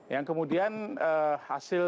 yang kemudian hasil